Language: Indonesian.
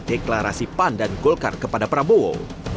deklarasi pan dan golkar kepada prabowo